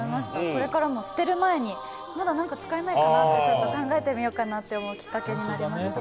これからも捨てる前に、まだ何か使えないかなって考えてみようかなと思うきっかけになりました。